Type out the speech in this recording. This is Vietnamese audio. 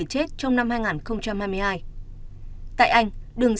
có mây ngày nắng